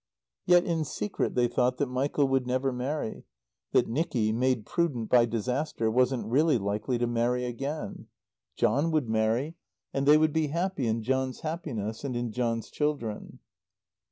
Yet in secret they thought that Michael would never marry; that Nicky, made prudent by disaster, wasn't really likely to marry again. John would marry; and they would be happy in John's happiness and in John's children.